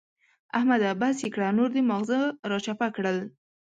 احمده! بس يې کړه نور دې ماغزه را چپه کړل.